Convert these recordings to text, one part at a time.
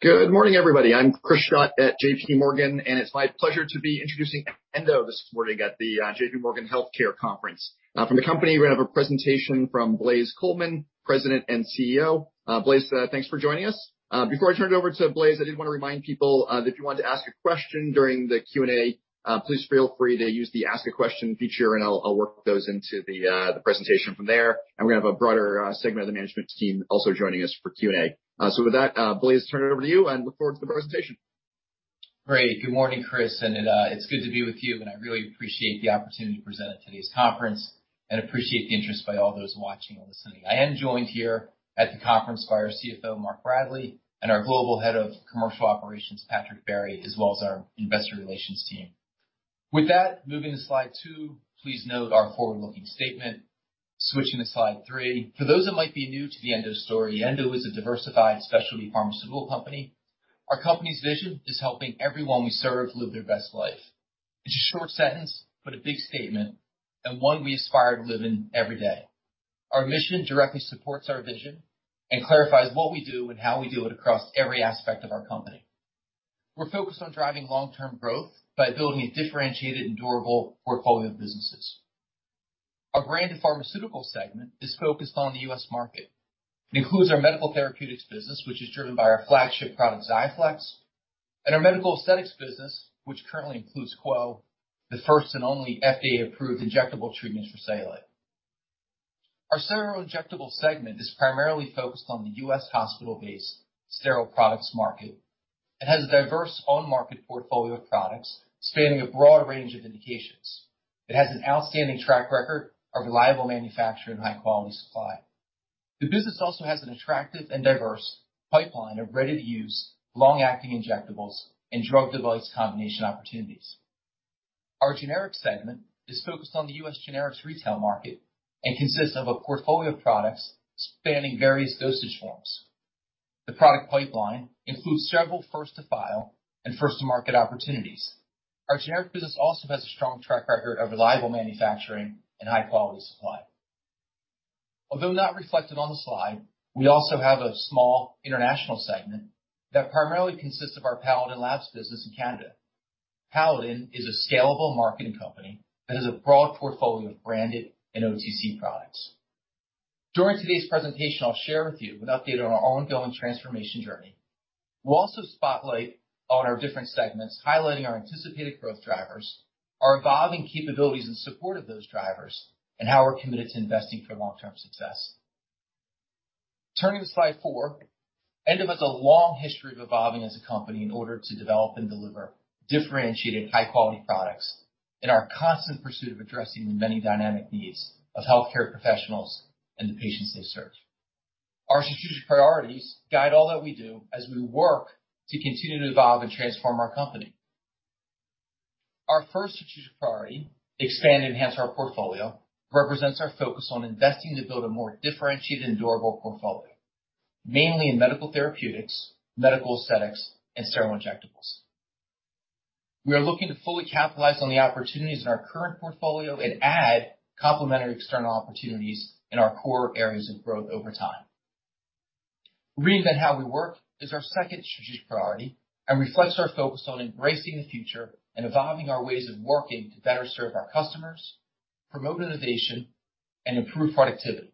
Good morning, everybody. I'm Chris Schott at JPMorgan, and it's my pleasure to be introducing Endo this morning at the JPMorgan Healthcare Conference. From the company, we're gonna have a presentation from Blaise Coleman, President and CEO. Blaise, thanks for joining us. Before I turn it over to Blaise, I did wanna remind people that if you wanted to ask a question during the Q&A, please feel free to use the Ask a Question feature and I'll work those into the presentation from there. We're gonna have a broader segment of the management team also joining us for Q&A. So with that, Blaise, turn it over to you and I look forward to the presentation. Great. Good morning, Chris, and it's good to be with you, and I really appreciate the opportunity to present at today's conference and appreciate the interest by all those watching and listening. I am joined here at the conference by our CFO, Mark Bradley, and our Global Head of Commercial Operations, Patrick Barry, as well as our investor relations team. With that, moving to slide two, please note our forward-looking statement. Switching to slide three. For those that might be new to the Endo story, Endo is a diversified specialty pharmaceutical company. Our company's vision is helping everyone we serve live their best life. It's a short sentence, but a big statement, and one we aspire to live in every day. Our mission directly supports our vision and clarifies what we do and how we do it across every aspect of our company. We're focused on driving long-term growth by building a differentiated and durable portfolio of businesses. Our branded pharmaceutical segment is focused on the U.S. market and includes our medical therapeutics business, which is driven by our flagship product, XIAFLEX, and our medical aesthetics business, which currently includes QWO, the first and only FDA-approved injectable treatment for cellulite. Our sterile injectables segment is primarily focused on the U.S. hospital-based sterile products market. It has a diverse on-market portfolio of products spanning a broad range of indications. It has an outstanding track record of reliable manufacturing and high-quality supply. The business also has an attractive and diverse pipeline of ready-to-use long-acting injectables and drug device combination opportunities. Our generics segment is focused on the U.S. generics retail market and consists of a portfolio of products spanning various dosage forms. The product pipeline includes several first to file and first to market opportunities. Our generic business also has a strong track record of reliable manufacturing and high-quality supply. Although not reflected on the slide, we also have a small international segment that primarily consists of our Paladin Labs business in Canada. Paladin is a scalable marketing company that has a broad portfolio of branded and OTC products. During today's presentation, I'll share with you an update on our ongoing transformation journey. We'll also spotlight on our different segments, highlighting our anticipated growth drivers, our evolving capabilities in support of those drivers, and how we're committed to investing for long-term success. Turning to slide four. Endo has a long history of evolving as a company in order to develop and deliver differentiated high-quality products in our constant pursuit of addressing the many dynamic needs of healthcare professionals and the patients they serve. Our strategic priorities guide all that we do as we work to continue to evolve and transform our company. Our first strategic priority, expand and enhance our portfolio, represents our focus on investing to build a more differentiated and durable portfolio, mainly in medical therapeutics, medical aesthetics and sterile injectables. We are looking to fully capitalize on the opportunities in our current portfolio and add complementary external opportunities in our core areas of growth over time. Reinvent how we work is our second strategic priority and reflects our focus on embracing the future and evolving our ways of working to better serve our customers, promote innovation and improve productivity.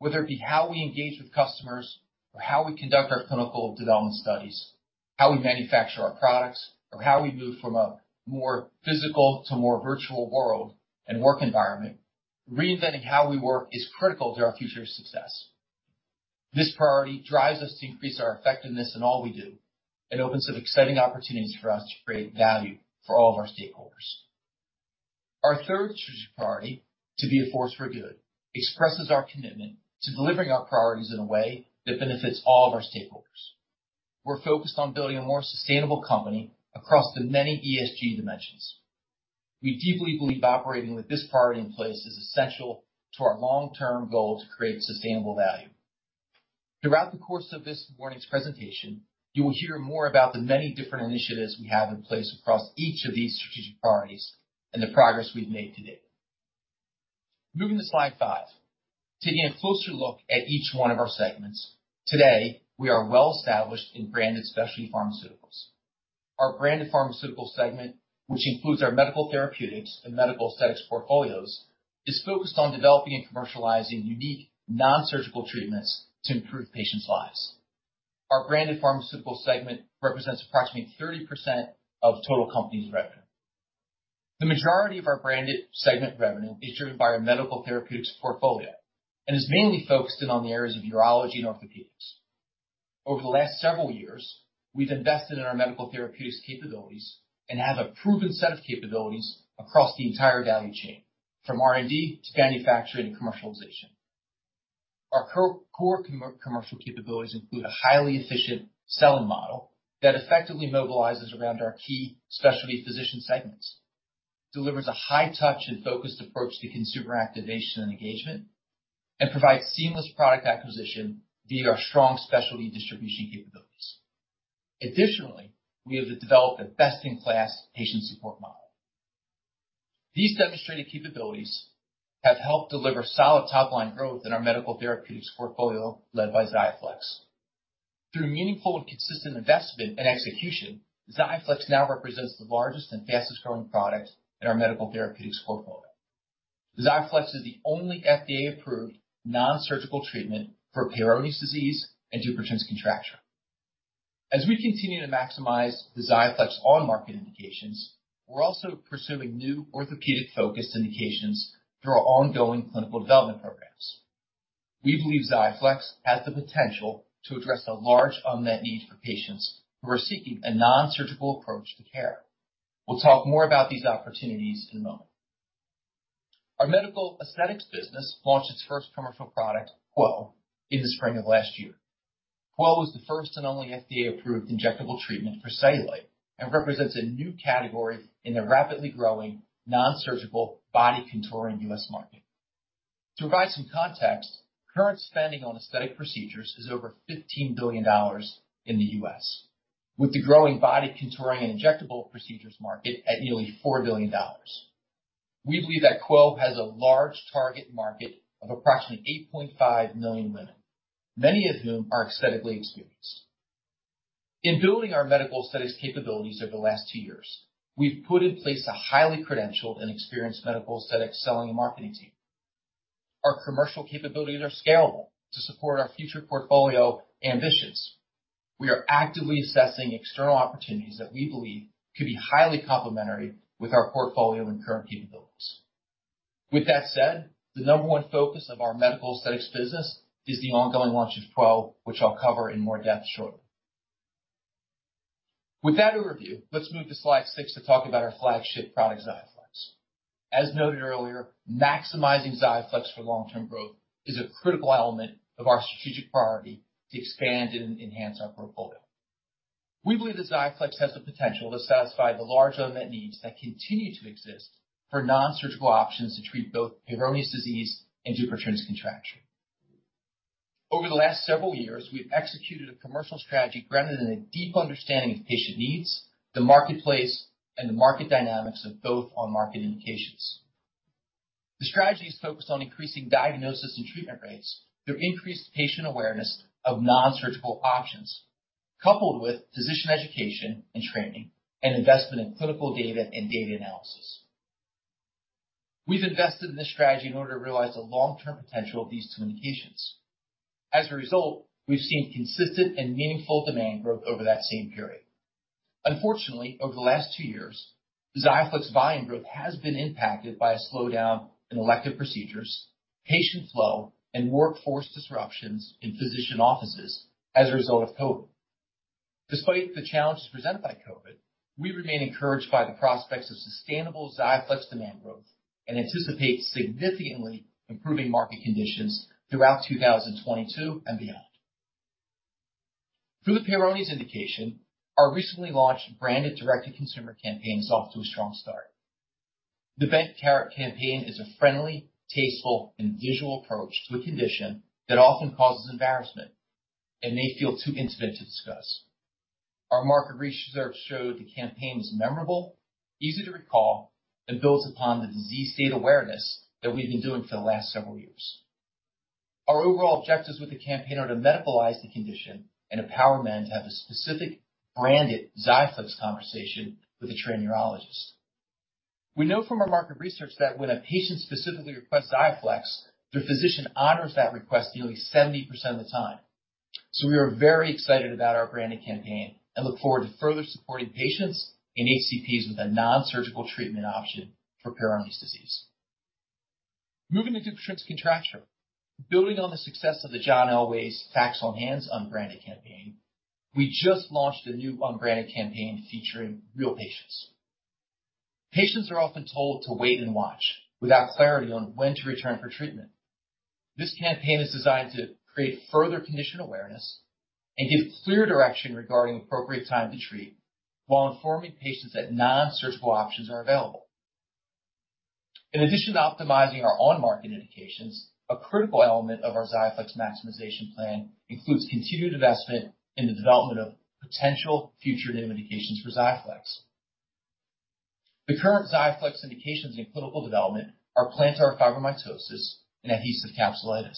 Whether it be how we engage with customers or how we conduct our clinical development studies, how we manufacture our products, or how we move from a more physical to more virtual world and work environment, reinventing how we work is critical to our future success. This priority drives us to increase our effectiveness in all we do and opens up exciting opportunities for us to create value for all of our stakeholders. Our third strategic priority, to be a force for good, expresses our commitment to delivering our priorities in a way that benefits all of our stakeholders. We're focused on building a more sustainable company across the many ESG dimensions. We deeply believe operating with this priority in place is essential to our long-term goal to create sustainable value. Throughout the course of this morning's presentation, you will hear more about the many different initiatives we have in place across each of these strategic priorities and the progress we've made to date. Moving to slide five. Taking a closer look at each one of our segments, today, we are well established in branded specialty pharmaceuticals. Our branded pharmaceutical segment, which includes our medical therapeutics and medical aesthetics portfolios, is focused on developing and commercializing unique non-surgical treatments to improve patients' lives. Our branded pharmaceutical segment represents approximately 30% of total company's revenue. The majority of our branded segment revenue is driven by our medical therapeutics portfolio and is mainly focused in on the areas of urology and orthopedics. Over the last several years, we've invested in our medical therapeutics capabilities and have a proven set of capabilities across the entire value chain, from R&D to manufacturing and commercialization. Our core commercial capabilities include a highly efficient selling model that effectively mobilizes around our key specialty physician segments, delivers a high touch and focused approach to consumer activation and engagement, and provides seamless product acquisition via our strong specialty distribution capabilities. Additionally, we have developed a best-in-class patient support model. These demonstrated capabilities have helped deliver solid top line growth in our medical therapeutics portfolio, led by XIAFLEX. Through meaningful and consistent investment and execution, XIAFLEX now represents the largest and fastest-growing product in our medical therapeutics portfolio. XIAFLEX is the only FDA-approved non-surgical treatment for Peyronie's disease and Dupuytren's contracture. As we continue to maximize the XIAFLEX on market indications, we're also pursuing new orthopedic-focused indications through our ongoing clinical development programs. We believe XIAFLEX has the potential to address a large unmet need for patients who are seeking a non-surgical approach to care. We'll talk more about these opportunities in a moment. Our medical aesthetics business launched its first commercial product, QWO, in the spring of last year. QWO was the first and only FDA-approved injectable treatment for cellulite, and represents a new category in the rapidly growing non-surgical body contouring U.S. market. To provide some context, current spending on aesthetic procedures is over $15 billion in the U.S., with the growing body contouring and injectable procedures market at nearly $4 billion. We believe that QWO has a large target market of approximately 8.5 million women, many of whom are aesthetically experienced. In building our medical aesthetics capabilities over the last two years, we've put in place a highly credentialed and experienced medical aesthetics selling and marketing team. Our commercial capabilities are scalable to support our future portfolio ambitions. We are actively assessing external opportunities that we believe could be highly complementary with our portfolio and current capabilities. With that said, the number one focus of our medical aesthetics business is the ongoing launch of QWO, which I'll cover in more depth shortly. With that overview, let's move to slide 6 to talk about our flagship product, XIAFLEX. As noted earlier, maximizing XIAFLEX for long-term growth is a critical element of our strategic priority to expand and enhance our portfolio. We believe that XIAFLEX has the potential to satisfy the large unmet needs that continue to exist for non-surgical options to treat both Peyronie's disease and Dupuytren's contracture. Over the last several years, we've executed a commercial strategy grounded in a deep understanding of patient needs, the marketplace, and the market dynamics of both our market indications. The strategy is focused on increasing diagnosis and treatment rates through increased patient awareness of non-surgical options, coupled with physician education and training and investment in clinical data and data analysis. We've invested in this strategy in order to realize the long-term potential of these two indications. As a result, we've seen consistent and meaningful demand growth over that same period. Unfortunately, over the last two years, XIAFLEX volume growth has been impacted by a slowdown in elective procedures, patient flow, and workforce disruptions in physician offices as a result of COVID. Despite the challenges presented by COVID, we remain encouraged by the prospects of sustainable XIAFLEX demand growth and anticipate significantly improving market conditions throughout 2022 and beyond. Through the Peyronie's indication, our recently launched branded direct-to-consumer campaign is off to a strong start. The Bent Carrot campaign is a friendly, tasteful, and visual approach to a condition that often causes embarrassment and may feel too intimate to discuss. Our market research showed the campaign was memorable, easy to recall, and builds upon the disease state awareness that we've been doing for the last several years. Our overall objectives with the campaign are to medicalize the condition and empower men to have a specific branded XIAFLEX conversation with a trained urologist. We know from our market research that when a patient specifically requests XIAFLEX, their physician honors that request nearly 70% of the time. We are very excited about our branded campaign and look forward to further supporting patients and HCPs with a non-surgical treatment option for Peyronie's disease. Moving to Dupuytren's contracture. Building on the success of the John Elway's Facts on Hand unbranded campaign, we just launched a new unbranded campaign featuring real patients. Patients are often told to wait and watch without clarity on when to return for treatment. This campaign is designed to create further condition awareness and give clear direction regarding appropriate time to treat while informing patients that non-surgical options are available. In addition to optimizing our on-market indications, a critical element of our XIAFLEX maximization plan includes continued investment in the development of potential future new indications for XIAFLEX. The current XIAFLEX indications in clinical development are plantar fibromatosis and adhesive capsulitis.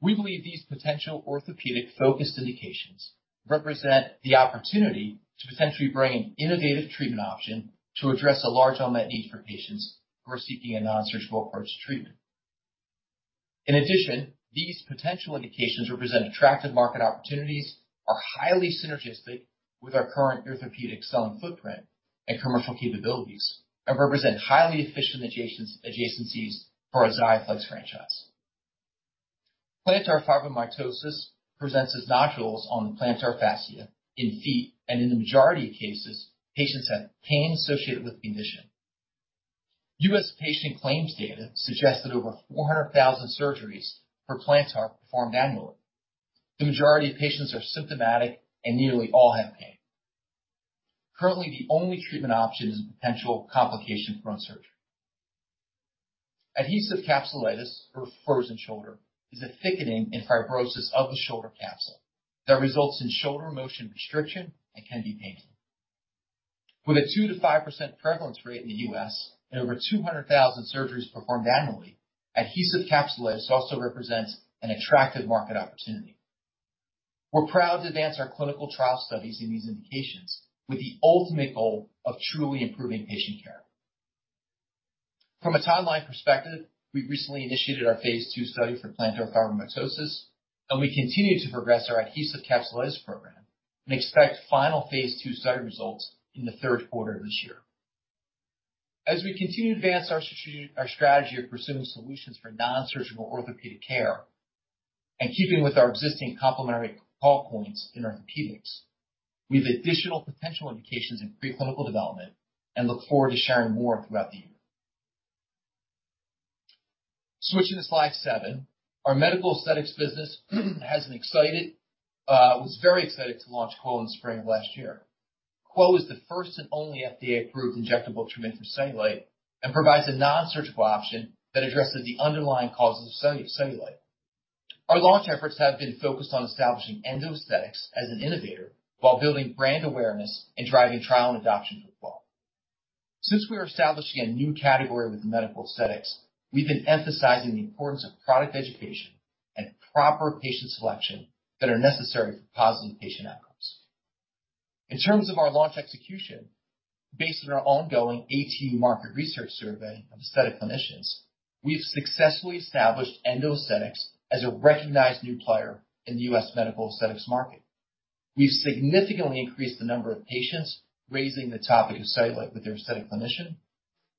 We believe these potential orthopedic-focused indications represent the opportunity to potentially bring an innovative treatment option to address a large unmet need for patients who are seeking a non-surgical approach to treatment. In addition, these potential indications represent attractive market opportunities, are highly synergistic with our current orthopedic selling footprint and commercial capabilities, and represent highly efficient adjacencies for our XIAFLEX franchise. Plantar fibromatosis presents as nodules on the plantar fascia in feet, and in the majority of cases, patients have pain associated with the condition. U.S. patient claims data suggests that over 400,000 surgeries for plantar fibromatosis are performed annually. The majority of patients are symptomatic, and nearly all have pain. Currently, the only treatment option is surgery with potential complications from surgery. Adhesive capsulitis or frozen shoulder is a thickening and fibrosis of the shoulder capsule that results in shoulder motion restriction and can be painful. With a 2%-5% prevalence rate in the U.S. and over 200,000 surgeries performed annually, adhesive capsulitis also represents an attractive market opportunity. We're proud to advance our clinical trial studies in these indications with the ultimate goal of truly improving patient care. From a timeline perspective, we recently initiated our phase II study for plantar fibromatosis, and we continue to progress our adhesive capsulitis program and expect final phase II study results in the third quarter of this year. As we continue to advance our strategy of pursuing solutions for non-surgical orthopedic care and keeping with our existing complementary call points in orthopedics, we have additional potential indications in pre-clinical development and look forward to sharing more throughout the year. Switching to slide seven. Our medical aesthetics business was very excited to launch QWO in spring of last year. QWO is the first and only FDA-approved injectable treatment for cellulite and provides a non-surgical option that addresses the underlying causes of cellulite. Our launch efforts have been focused on establishing Endo Aesthetics as an innovator while building brand awareness and driving trial and adoption for QWO. Since we are establishing a new category with medical aesthetics, we've been emphasizing the importance of product education and proper patient selection that are necessary for positive patient outcomes. In terms of our launch execution, based on our ongoing ATU market research survey of aesthetic clinicians, we've successfully established Endo Aesthetics as a recognized new player in the U.S. medical aesthetics market. We've significantly increased the number of patients raising the topic of cellulite with their aesthetic clinician,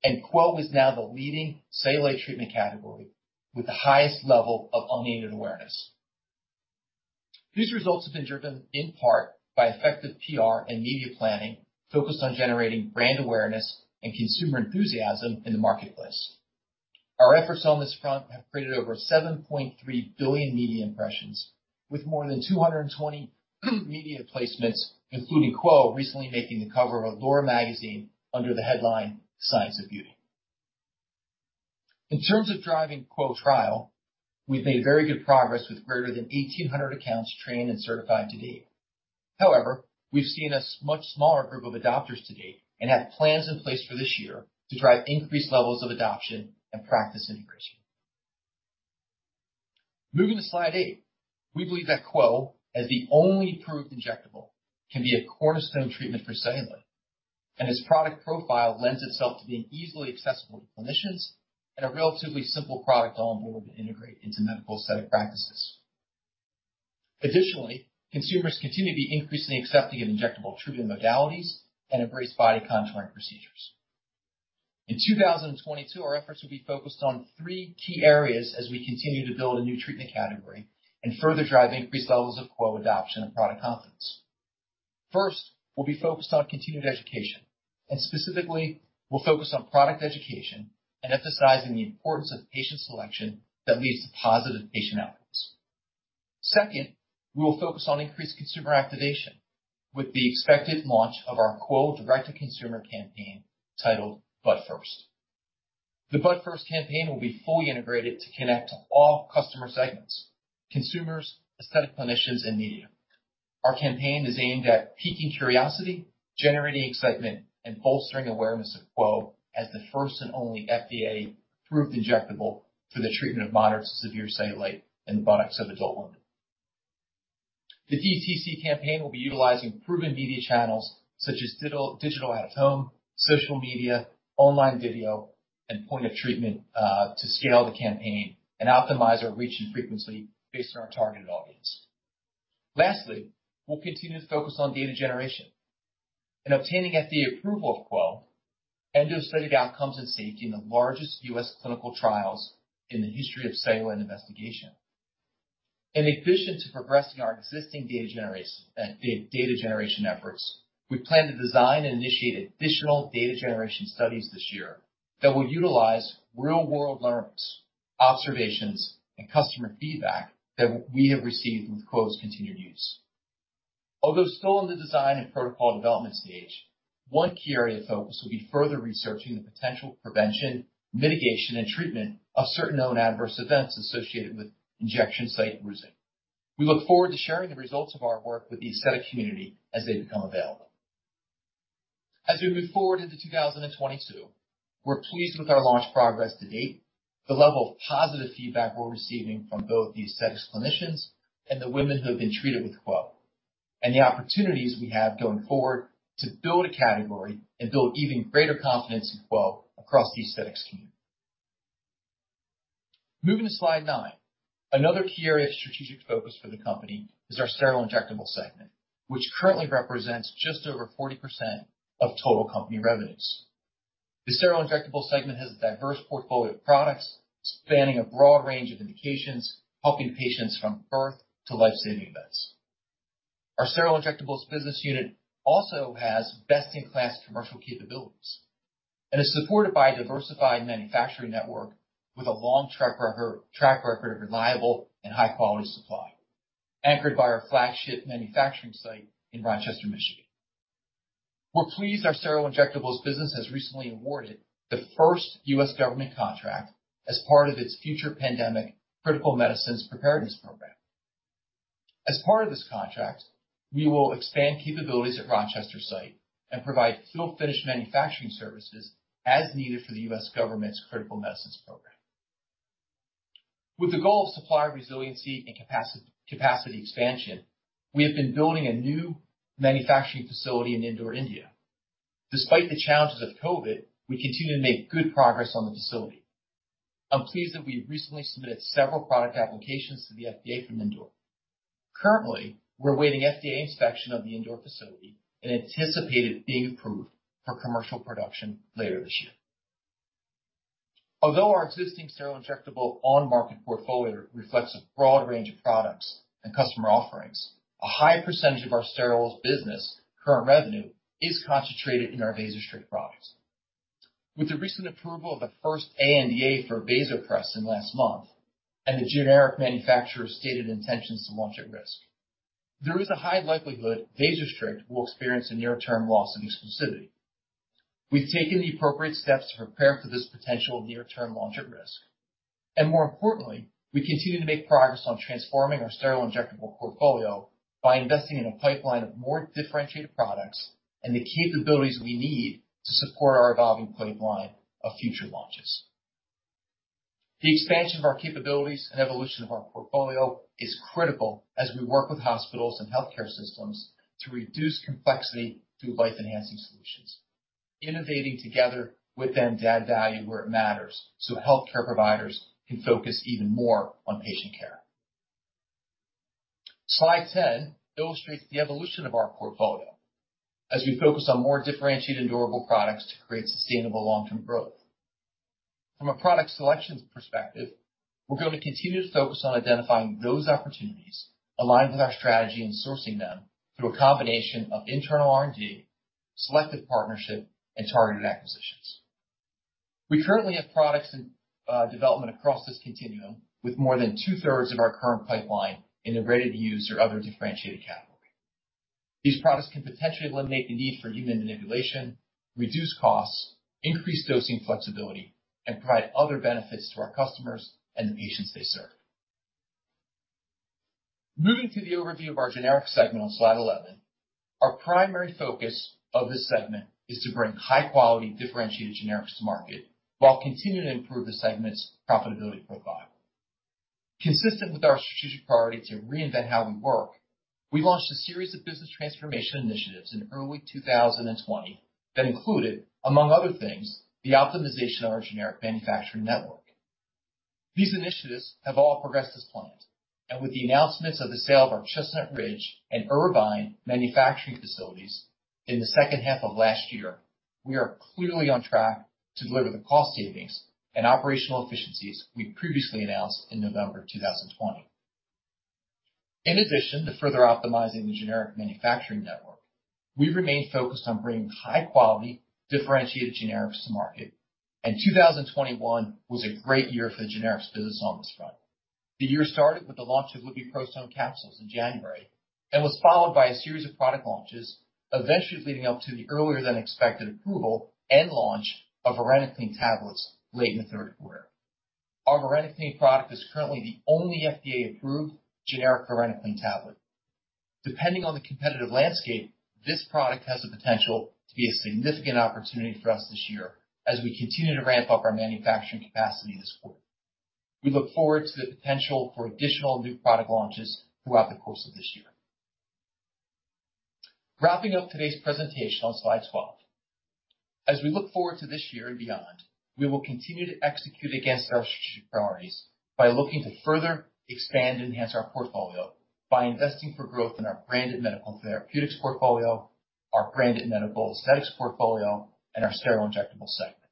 and QWO is now the leading cellulite treatment category with the highest level of unaided awareness. These results have been driven in part by effective PR and media planning focused on generating brand awareness and consumer enthusiasm in the marketplace. Our efforts on this front have created over 7.3 billion media impressions with more than 220 media placements, including QWO recently making the cover of Allure magazine under the headline "Science of Beauty." In terms of driving QWO trial, we've made very good progress with greater than 1,800 accounts trained and certified to date. However, we've seen much smaller group of adopters to date and have plans in place for this year to drive increased levels of adoption and practice integration. Moving to slide eight. We believe that QWO, as the only approved injectable, can be a cornerstone treatment for cellulite, and its product profile lends itself to being easily accessible to clinicians and a relatively simple product to onboard and integrate into medical aesthetic practices. Additionally, consumers continue to be increasingly accepting of injectable treatment modalities and embrace body contouring procedures. In 2022, our efforts will be focused on three key areas as we continue to build a new treatment category and further drive increased levels of QWO adoption and product confidence. First, we'll be focused on continued education, and specifically, we'll focus on product education and emphasizing the importance of patient selection that leads to positive patient outcomes. Second, we will focus on increased consumer activation with the expected launch of our QWO direct-to-consumer campaign titled Butt First. The Butt First campaign will be fully integrated to connect to all customer segments, consumers, aesthetic clinicians, and media. Our campaign is aimed at peaking curiosity, generating excitement, and bolstering awareness of QWO as the first and only FDA-approved injectable for the treatment of moderate to severe cellulite in the buttocks of adult women. The DTC campaign will be utilizing proven media channels such as digital at home, social media, online video, and point of treatment to scale the campaign and optimize our reach and frequency based on our targeted audience. Lastly, we'll continue to focus on data generation. In obtaining FDA approval of QWO, Endo studied outcomes and safety in the largest U.S. clinical trials in the history of cellulite investigation. In addition to progressing our existing data generation efforts, we plan to design and initiate additional data generation studies this year that will utilize real-world learnings, observations, and customer feedback that we have received with QWO's continued use. Although still in the design and protocol development stage, one key area of focus will be further researching the potential prevention, mitigation, and treatment of certain known adverse events associated with injection site bruising. We look forward to sharing the results of our work with the aesthetic community as they become available. As we move forward into 2022, we're pleased with our launch progress to date, the level of positive feedback we're receiving from both the aesthetics clinicians and the women who have been treated with QWO, and the opportunities we have going forward to build a category and build even greater confidence in QWO across the aesthetics community. Moving to slide nine. Another key area of strategic focus for the company is our sterile injectable segment, which currently represents just over 40% of total company revenues. The sterile injectable segment has a diverse portfolio of products spanning a broad range of indications, helping patients from birth to life-saving events. Our sterile injectables business unit also has best-in-class commercial capabilities and is supported by a diversified manufacturing network with a long track record of reliable and high-quality supply, anchored by our flagship manufacturing site in Rochester, Michigan. We're pleased our sterile injectables business has recently awarded the first U.S. government contract as part of its future pandemic critical medicines preparedness program. As part of this contract, we will expand capabilities at Rochester site and provide fill finish manufacturing services as needed for the U.S. government's critical medicines program. With the goal of supply resiliency and capacity expansion, we have been building a new manufacturing facility in Indore, India. Despite the challenges of COVID, we continue to make good progress on the facility. I'm pleased that we recently submitted several product applications to the FDA from Indore. Currently, we're awaiting FDA inspection of the Indore facility and anticipate it being approved for commercial production later this year. Although our existing sterile injectable on-market portfolio reflects a broad range of products and customer offerings, a high percentage of our steriles business's current revenue is concentrated in our VASOSTRICT products. With the recent approval of the first ANDA for vasopressin last month, and the generic manufacturer's stated intentions to launch at risk, there is a high likelihood VASOSTRICT will experience a near-term loss of exclusivity. We've taken the appropriate steps to prepare for this potential near-term launch at risk, and more importantly, we continue to make progress on transforming our sterile injectable portfolio by investing in a pipeline of more differentiated products and the capabilities we need to support our evolving pipeline of future launches. The expansion of our capabilities and evolution of our portfolio is critical as we work with hospitals and healthcare systems to reduce complexity through life-enhancing solutions, innovating together with them to add value where it matters, so healthcare providers can focus even more on patient care. Slide 10 illustrates the evolution of our portfolio as we focus on more differentiated endurable products to create sustainable long-term growth. From a product selections perspective, we're going to continue to focus on identifying those opportunities aligned with our strategy and sourcing them through a combination of internal R&D, selective partnership, and targeted acquisitions. We currently have products in development across this continuum with more than two-thirds of our current pipeline in the ready to use or other differentiated category. These products can potentially eliminate the need for human manipulation, reduce costs, increase dosing flexibility, and provide other benefits to our customers and the patients they serve. Moving to the overview of our generic segment on slide 11. Our primary focus of this segment is to bring high quality differentiated generics to market while continuing to improve the segment's profitability profile. Consistent with our strategic priority to reinvent how we work, we launched a series of business transformation initiatives in early 2020 that included, among other things, the optimization of our generic manufacturing network. These initiatives have all progressed as planned, and with the announcements of the sale of our Chestnut Ridge and Irvine manufacturing facilities in the second half of last year, we are clearly on track to deliver the cost savings and operational efficiencies we previously announced in November 2020. In addition to further optimizing the generic manufacturing network, we remain focused on bringing high-quality, differentiated generics to market, and 2021 was a great year for the generics business on this front. The year started with the launch of lubiprostone capsules in January and was followed by a series of product launches, eventually leading up to the earlier than expected approval and launch of varenicline tablets late in the third quarter. Our varenicline product is currently the only FDA-approved generic varenicline tablet. Depending on the competitive landscape, this product has the potential to be a significant opportunity for us this year as we continue to ramp up our manufacturing capacity this quarter. We look forward to the potential for additional new product launches throughout the course of this year. Wrapping up today's presentation on slide 12. As we look forward to this year and beyond, we will continue to execute against our strategic priorities by looking to further expand and enhance our portfolio by investing for growth in our branded medical therapeutics portfolio, our branded medical aesthetics portfolio, and our sterile injectable segment.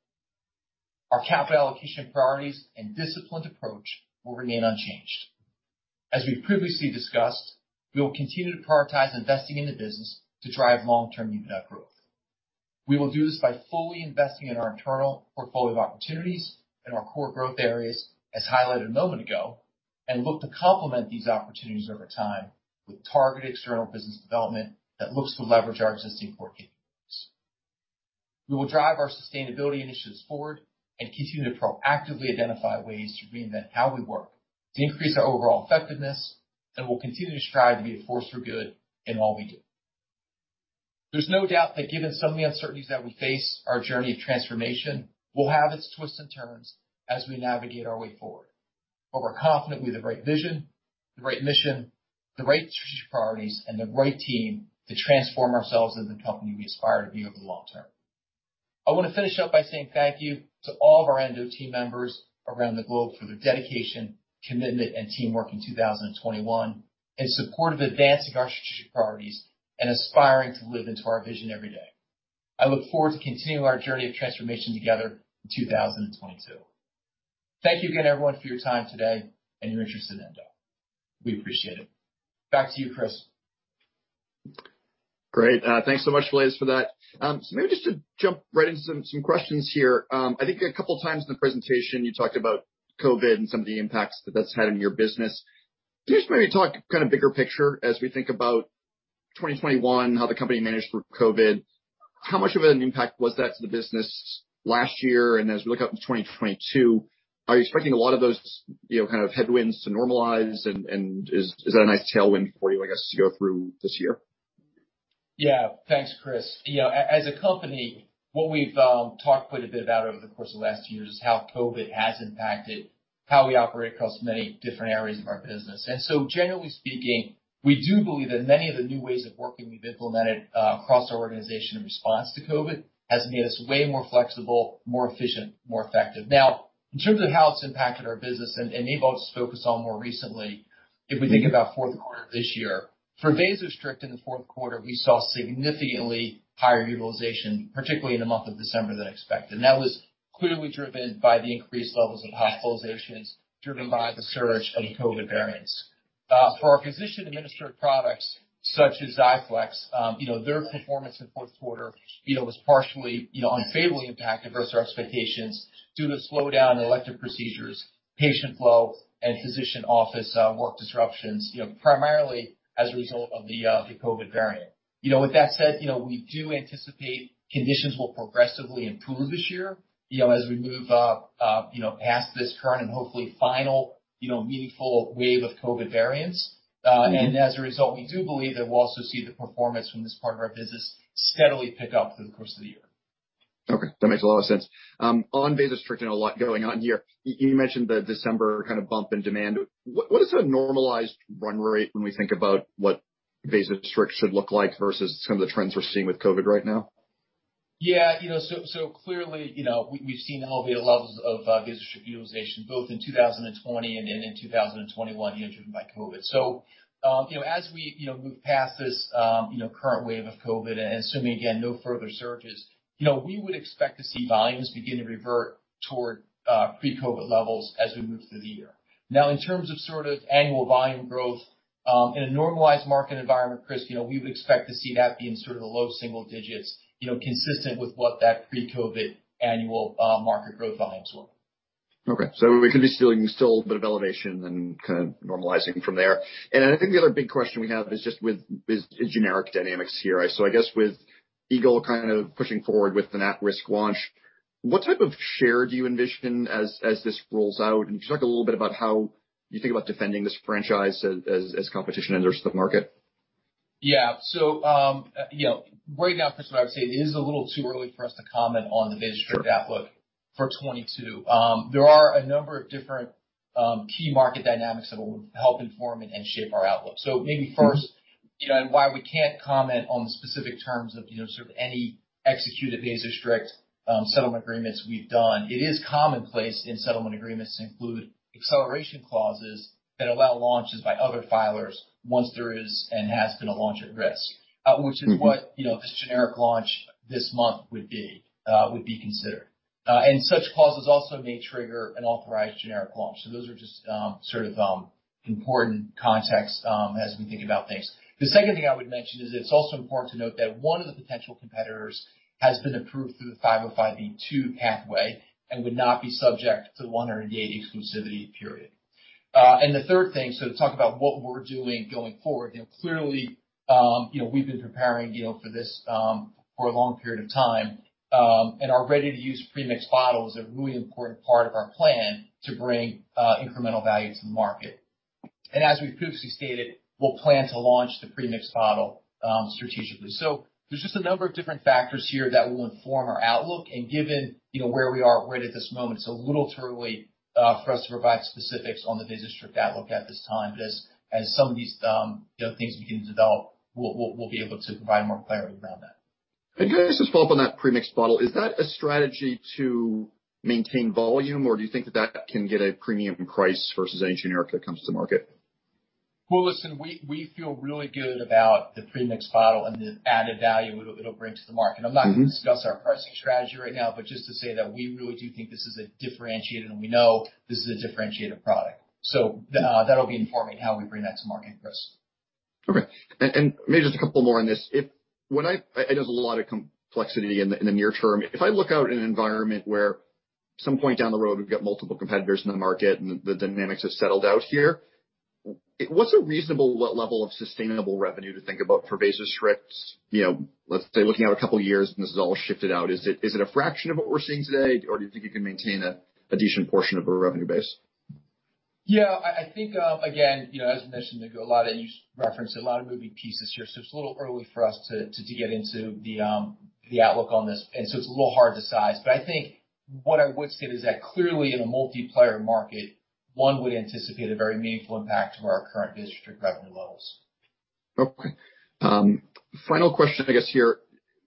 Our capital allocation priorities and disciplined approach will remain unchanged. As we previously discussed, we will continue to prioritize investing in the business to drive long-term unit net growth. We will do this by fully investing in our internal portfolio of opportunities in our core growth areas, as highlighted a moment ago, and look to complement these opportunities over time with targeted external business development that looks to leverage our existing core capabilities. We will drive our sustainability initiatives forward and continue to proactively identify ways to reinvent how we work to increase our overall effectiveness and will continue to strive to be a force for good in all we do. There's no doubt that given some of the uncertainties that we face, our journey of transformation will have its twists and turns as we navigate our way forward. We're confident we have the right vision, the right mission, the right strategic priorities, and the right team to transform ourselves as the company we aspire to be over the long term. I wanna finish up by saying thank you to all of our Endo team members around the globe for their dedication, commitment, and teamwork in 2021 in support of advancing our strategic priorities and aspiring to live into our vision every day. I look forward to continuing our journey of transformation together in 2022. Thank you again, everyone, for your time today and your interest in Endo. We appreciate it. Back to you, Chris. Great. Thanks so much, Blaise, for that. Maybe just to jump right into some questions here. I think a couple times in the presentation you talked about COVID and some of the impacts that that's had on your business. Can you just maybe talk kind of bigger picture as we think about 2021, how the company managed through COVID? How much of an impact was that to the business last year? As we look out to 2022, are you expecting a lot of those, you know, kind of headwinds to normalize? Is that a nice tailwind for you, I guess, to go through this year? Yeah. Thanks, Chris. You know, as a company, what we've talked quite a bit about over the course of last year is how COVID has impacted how we operate across many different areas of our business. Generally speaking, we do believe that many of the new ways of working we've implemented across our organization in response to COVID has made us way more flexible, more efficient, more effective. Now, in terms of how it's impacted our business and enabled us to focus more recently, if we think about fourth quarter of this year. For VASOSTRICT in the fourth quarter, we saw significantly higher utilization, particularly in the month of December than expected. That was clearly driven by the increased levels of hospitalizations driven by the surge of COVID variants. For our physician administered products such as XIAFLEX, you know, their performance in the fourth quarter, you know, was partially, you know, unfavorably impacted versus our expectations due to slowdown in elective procedures, patient flow and physician office, work disruptions, you know, primarily as a result of the COVID variant. You know, with that said, you know, we do anticipate conditions will progressively improve this year, you know, as we move, you know, past this current and hopefully final, you know, meaningful wave of COVID variants. As a result, we do believe that we'll also see the performance from this part of our business steadily pick up through the course of the year. Okay, that makes a lot of sense. On VASOSTRICT and a lot going on here. You mentioned the December kind of bump in demand. What is a normalized run rate when we think about what VASOSTRICT should look like versus some of the trends we're seeing with COVID right now? Yeah, you know, so clearly, you know, we've seen elevated levels of VASOSTRICT utilization, both in 2020 and in 2021, you know, driven by COVID. You know, as we, you know, move past this, you know, current wave of COVID and assuming, again, no further surges, you know, we would expect to see volumes begin to revert toward pre-COVID levels as we move through the year. Now, in terms of sort of annual volume growth, in a normalized market environment, Chris, you know, we would expect to see that be in sort of the low single digits, you know, consistent with what that pre-COVID annual market growth volumes were. Okay. We could be seeing still a bit of elevation and kind of normalizing from there. I think the other big question we have is just the generic dynamics here. I guess with Eagle kind of pushing forward with an at-risk launch, what type of share do you envision as this rolls out? And could you talk a little bit about how you think about defending this franchise as competition enters the market? Yeah. You know, right now, Chris, what I would say, it is a little too early for us to comment on the VASOSTRICT. Sure. Outlook for 2022. There are a number of different key market dynamics that will help inform and shape our outlook. Maybe first, you know, and why we can't comment on the specific terms of, you know, sort of any executed VASOSTRICT settlement agreements we've done. It is commonplace in settlement agreements to include acceleration clauses that allow launches by other filers once there is and has been a launch at risk, which is what, you know, this generic launch this month would be considered. Such clauses also may trigger an authorized generic launch. Those are just sort of important context as we think about things. The second thing I would mention is it's also important to note that one of the potential competitors has been approved through the 505(b)(2) pathway and would not be subject to the 180 exclusivity period. The third thing to talk about what we're doing going forward, you know, clearly, you know, we've been preparing, you know, for this, for a long period of time, and our ready to use pre-mixed bottle is a really important part of our plan to bring, incremental value to the market. As we've previously stated, we'll plan to launch the pre-mixed bottle, strategically. There's just a number of different factors here that will inform our outlook. Given, you know, where we are right at this moment, it's a little too early for us to provide specifics on the VASOSTRICT outlook at this time. As some of these, you know, things begin to develop, we'll be able to provide more clarity around that. Can I just follow up on that pre-mixed bottle? Is that a strategy to maintain volume, or do you think that can get a premium price versus any generic that comes to the market? Well, listen, we feel really good about the pre-mixed bottle and the added value it'll bring to the market. Mm-hmm. I'm not gonna discuss our pricing strategy right now, but just to say that we really do think this is a differentiated, and we know this is a differentiated product. That'll be informing how we bring that to market, Chris. Okay. Maybe just a couple more on this. I know there's a lot of complexity in the near term. If I look out in an environment where at some point down the road we've got multiple competitors in the market and the dynamics have settled out here, what's a reasonable level of sustainable revenue to think about for VASOSTRICT? You know, let's say looking out a couple of years when this has all shaken out, is it a fraction of what we're seeing today, or do you think you can maintain a decent portion of a revenue base? Yeah, I think, again, you know, as mentioned, you referenced a lot of moving pieces here, so it's a little early for us to get into the outlook on this. It's a little hard to size. I think what I would say is that clearly in a multiplayer market, one would anticipate a very meaningful impact to our current VASOSTRICT revenue levels. Okay. Final question, I guess here.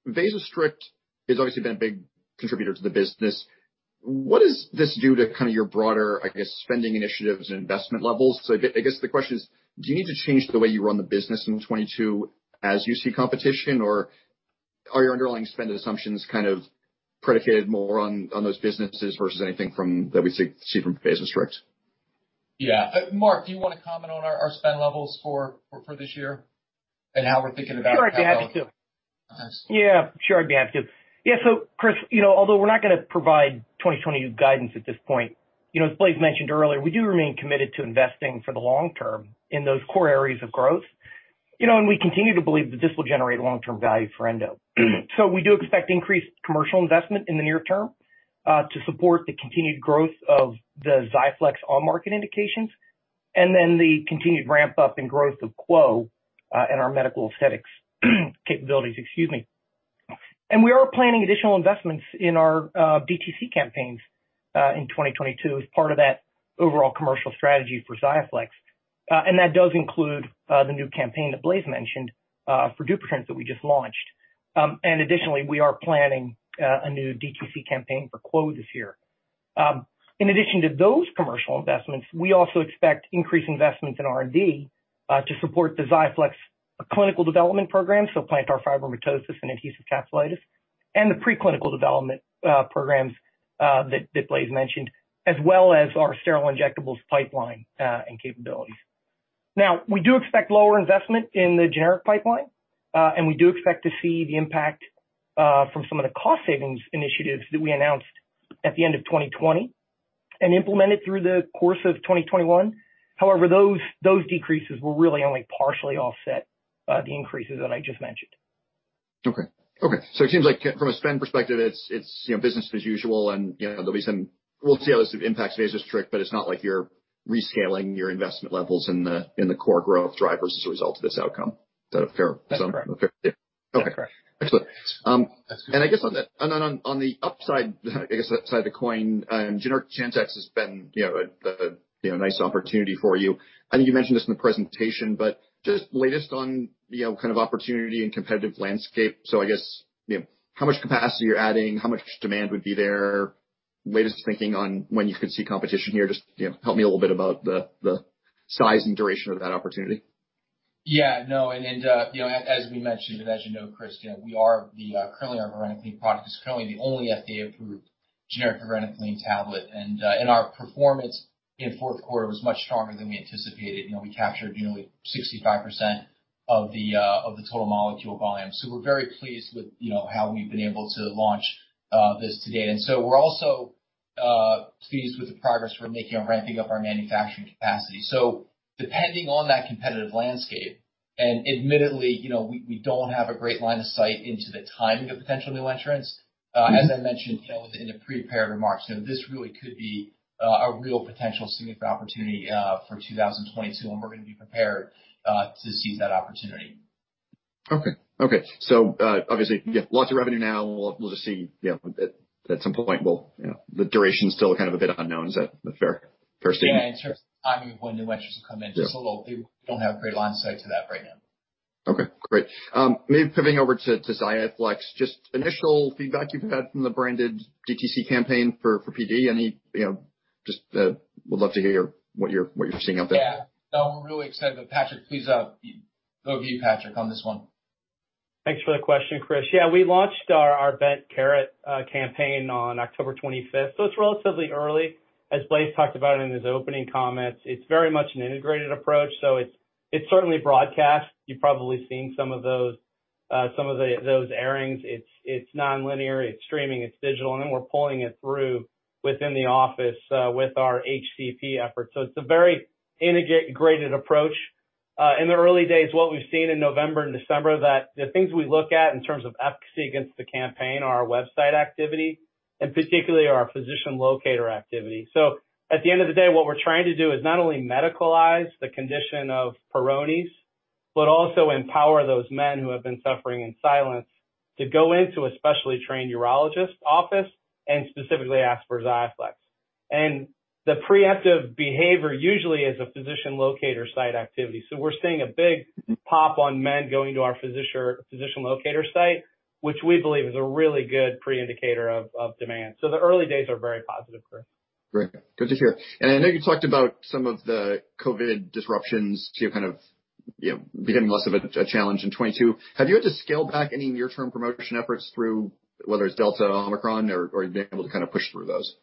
VASOSTRICT has obviously been a big contributor to the business. What does this do to kinda your broader, I guess, spending initiatives and investment levels? I guess the question is, do you need to change the way you run the business in 2022 as you see competition, or are your underlying spend assumptions kind of predicated more on those businesses versus anything from that we see from VASOSTRICT? Yeah. Mark, do you wanna comment on our spend levels for this year and how we're thinking about it going forward? Yeah, sure. I'd be happy to. Yeah, Chris, you know, although we're not gonna provide 2020 guidance at this point, you know, as Blaise mentioned earlier, we do remain committed to investing for the long term in those core areas of growth. You know, we continue to believe that this will generate long-term value for Endo. We do expect increased commercial investment in the near term to support the continued growth of the XIAFLEX on-market indications and then the continued ramp up and growth of QWO and our medical aesthetics capabilities. Excuse me. We are planning additional investments in our DTC campaigns in 2022 as part of that overall commercial strategy for XIAFLEX. That does include the new campaign that Blaise mentioned for Dupuytren's that we just launched. Additionally, we are planning a new DTC campaign for QWO this year. In addition to those commercial investments, we also expect increased investments in R&D to support the XIAFLEX clinical development program, so plantar fibromatosis and adhesive capsulitis, and the pre-clinical development programs that Blaise mentioned, as well as our sterile injectables pipeline and capabilities. Now, we do expect lower investment in the generic pipeline, and we do expect to see the impact from some of the cost savings initiatives that we announced at the end of 2020 and implemented through the course of 2021. However, those decreases will really only partially offset the increases that I just mentioned. It seems like from a spend perspective, it's, you know, business as usual, and, you know, there'll be some, we'll see how this impacts VASOSTRICT, but it's not like you're rescaling your investment levels in the core growth drivers as a result of this outcome. Is that a fair assumption? That's correct. Okay. Excellent. I guess on that, and then on the flip side of the coin, generic Chantix has been, you know, the you know nice opportunity for you. I think you mentioned this in the presentation, but just the latest on, you know, kind of opportunity and competitive landscape. I guess, you know, how much capacity you're adding, how much demand would be there, latest thinking on when you could see competition here. Just, you know, help me a little bit about the size and duration of that opportunity. Yeah, no. As we mentioned, and as you know, Chris, you know, currently our varenicline product is currently the only FDA-approved generic varenicline tablet. Our performance in fourth quarter was much stronger than we anticipated. You know, we captured nearly 65% of the total molecule volume. We're very pleased with, you know, how we've been able to launch this to date. We're also pleased with the progress we're making on ramping up our manufacturing capacity. Depending on that competitive landscape, and admittedly, you know, we don't have a great line of sight into the timing of potential new entrants. As I mentioned, you know, in the prepared remarks, you know, this really could be a real potential significant opportunity for 2022, and we're gonna be prepared to seize that opportunity. Okay. Obviously, yeah, lots of revenue now. We'll just see, you know, at some point. We'll, you know, the duration's still kind of a bit unknown. Is that a fair first take? Yeah. In terms of timing of when new entrants will come in. Yeah. Just a little, we don't have a great line of sight to that right now. Okay, great. Maybe pivoting over to XIAFLEX, just initial feedback you've had from the branded DTC campaign for PD, any, you know, just would love to hear what you're seeing out there. Yeah. No, we're really excited, but Patrick, please, go give Patrick on this one. Thanks for the question, Chris. Yeah. We launched our Bent Carrot campaign on October 25, so it's relatively early. As Blaise talked about in his opening comments, it's very much an integrated approach, so it's certainly broadcast. You've probably seen some of those airings. It's nonlinear, it's streaming, it's digital, and then we're pulling it through within the office with our HCP efforts. It's a very integrated approach. In the early days, what we've seen in November and December that the things we look at in terms of efficacy against the campaign are our website activity and particularly our physician locator activity. At the end of the day, what we're trying to do is not only medicalize the condition of Peyronie's, but also empower those men who have been suffering in silence to go into a specially trained urologist office and specifically ask for XIAFLEX. The preemptive behavior usually is a physician locator site activity. We're seeing a big pop on men going to our physician locator site, which we believe is a really good pre-indicator of demand. The early days are very positive, Chris. Great. Good to hear. I know you talked about some of the COVID disruptions to kind of, you know, becoming less of a challenge in 2022. Have you had to scale back any near-term promotion efforts through whether it's Delta or Omicron or you've been able to kind of push through those?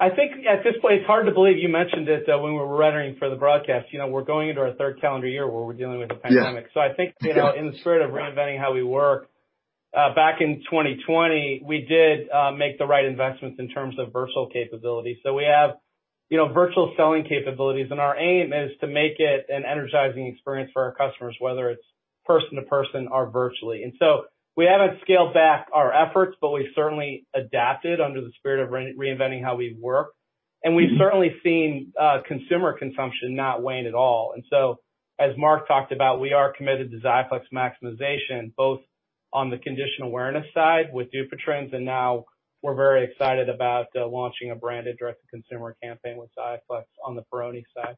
I think at this point, it's hard to believe you mentioned it when we were rendering for the broadcast. You know, we're going into our third calendar year where we're dealing with the pandemic. Yeah. I think, you know, in the spirit of reinventing how we work, back in 2020, we did make the right investments in terms of virtual capabilities. We have, you know, virtual selling capabilities, and our aim is to make it an energizing experience for our customers, whether it's person to person or virtually. We haven't scaled back our efforts, but we've certainly adapted under the spirit of reinventing how we work. We've certainly seen consumer consumption not wane at all. As Mark talked about, we are committed to XIAFLEX maximization, both on the condition awareness side with Dupuytren's, and now we're very excited about launching a branded direct-to-consumer campaign with XIAFLEX on the Peyronie's side.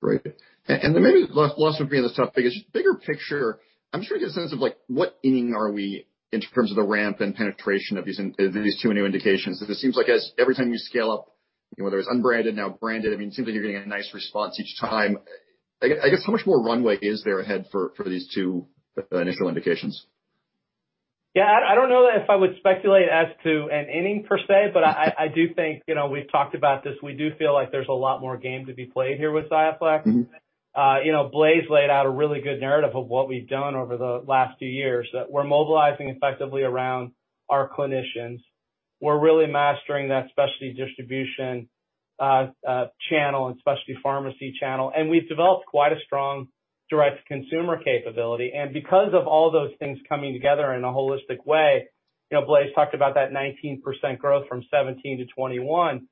Great. Then maybe last one for me on this topic is just bigger picture. I'm just trying to get a sense of like, what inning are we in terms of the ramp and penetration of these two new indications? 'Cause it seems like as every time you scale up, you know, whether it's unbranded, now branded, I mean, it seems like you're getting a nice response each time. I guess, how much more runway is there ahead for these two initial indications? Yeah, I don't know if I would speculate as to an inning per se, but I do think, you know, we've talked about this. We do feel like there's a lot more game to be played here with XIAFLEX. You know, Blaise laid out a really good narrative of what we've done over the last few years, that we're mobilizing effectively around our clinicians. We're really mastering that specialty distribution channel and specialty pharmacy channel. We've developed quite a strong direct consumer capability. Because of all those things coming together in a holistic way, you know, Blaise talked about that 19% growth from 2017 to 2021.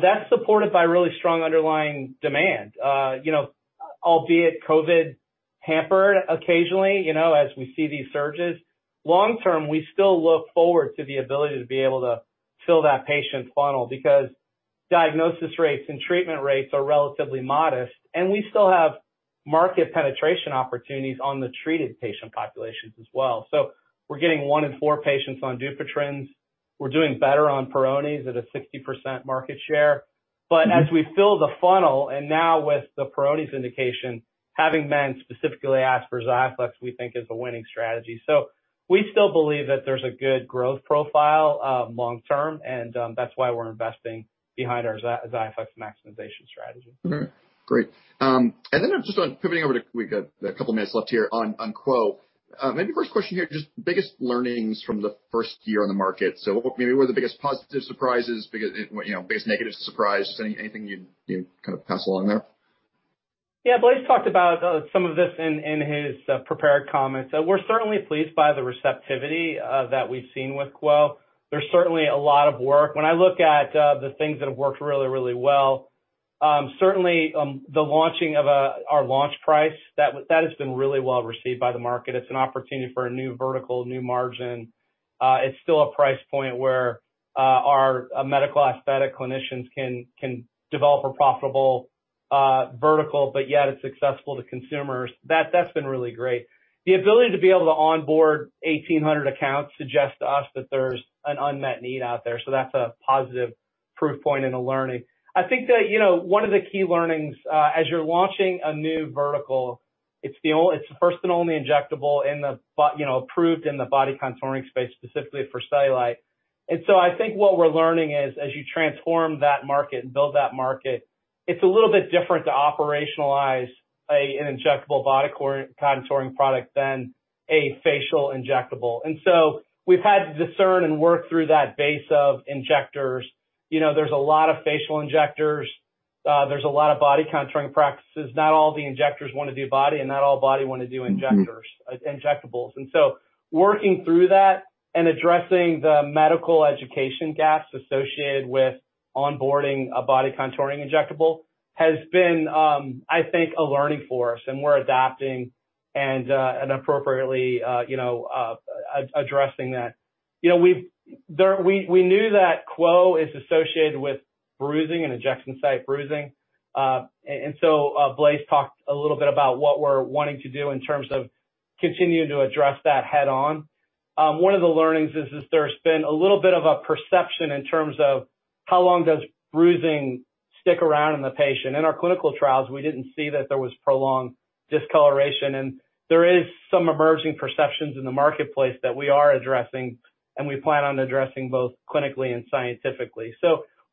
That's supported by really strong underlying demand. You know, albeit COVID hampered occasionally, you know, as we see these surges. Long term, we still look forward to the ability to be able to fill that patient funnel because diagnosis rates and treatment rates are relatively modest, and we still have market penetration opportunities on the treated patient populations as well. We're getting one in four patients on Dupuytren's. We're doing better on Peyronie's at a 60% market share. As we fill the funnel and now with the Peyronie's indication, having men specifically ask for XIAFLEX, we think is a winning strategy. We still believe that there's a good growth profile long term, and that's why we're investing behind our XIAFLEX maximization strategy. All right. Great. Just on pivoting over to. We've got a couple minutes left here on QWO. Maybe first question here, just biggest learnings from the first year on the market. What maybe were the biggest positive surprises, biggest negative surprise? Anything you'd kind of pass along there? Yeah. Blaise talked about some of this in his prepared comments. We're certainly pleased by the receptivity that we've seen with QWO. There's certainly a lot of work. When I look at the things that have worked really well, certainly the launching of our launch price, that has been really well received by the market. It's an opportunity for a new vertical, new margin. It's still a price point where our medical aesthetic clinicians can develop a profitable vertical, but yet it's successful to consumers. That's been really great. The ability to onboard 1,800 accounts suggests to us that there's an unmet need out there, so that's a positive proof point in the learning. I think that, you know, one of the key learnings as you're launching a new vertical, it's the first and only injectable in the body contouring space, specifically for cellulite. I think what we're learning is, as you transform that market and build that market, it's a little bit different to operationalize an injectable body contouring product than a facial injectable. We've had to discern and work through that base of injectors. You know, there's a lot of facial injectors, there's a lot of body contouring practices. Not all of the injectors wanna do body, and not all body wanna do injectors, injectables. Working through that and addressing the medical education gaps associated with onboarding a body contouring injectable has been, I think, a learning for us, and we're adapting and appropriately, you know, addressing that. You know, we knew that QWO is associated with bruising and injection site bruising. Blaise talked a little bit about what we're wanting to do in terms of continuing to address that head on. One of the learnings is there's been a little bit of a perception in terms of how long does bruising stick around in the patient. In our clinical trials, we didn't see that there was prolonged discoloration, and there is some emerging perceptions in the marketplace that we are addressing and we plan on addressing both clinically and scientifically.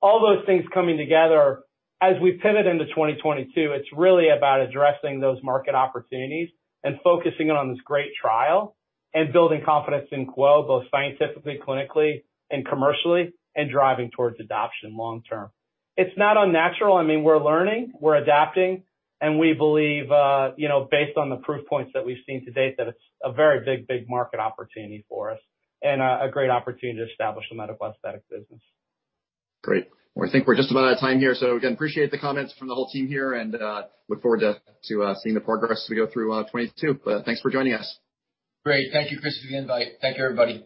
All those things coming together, as we pivot into 2022, it's really about addressing those market opportunities and focusing on this great trial and building confidence in QWO, both scientifically, clinically, and commercially, and driving towards adoption long term. It's not unnatural. I mean, we're learning, we're adapting, and we believe, you know, based on the proof points that we've seen to date, that it's a very big, big market opportunity for us and a great opportunity to establish the medical aesthetic business. Great. Well, I think we're just about out of time here, so again, appreciate the comments from the whole team here and look forward to seeing the progress as we go through 2022. Thanks for joining us. Great. Thank you, Chris, for the invite. Thank you, everybody.